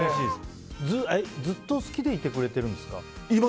ずっと好きでいてくれているんですか？